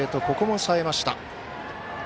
ここも、さえました。